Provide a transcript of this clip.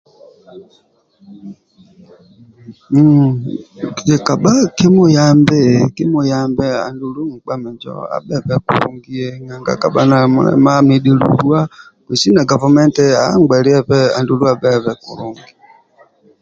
Kikikabha kimuyambe kimuyambe andulu nkpa minjo abhebe kulungi nanga kabha nali mulema amudhilillwa kesi na gavumenti amgbeliebe andulu abhebe kulungi